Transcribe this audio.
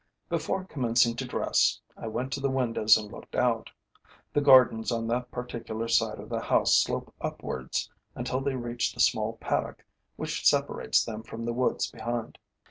Before commencing to dress I went to the windows and looked out. The gardens on that particular side of the house slope upwards until they reach the small paddock which separates them from the woods behind.